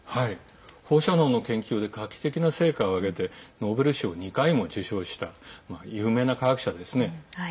放射能の研究で画期的な成果を上げてノーベル賞を２回も受賞した有名な科学者ですね。